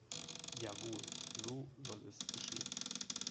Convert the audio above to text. Jawohl, so soll es geschehen.